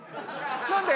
何で？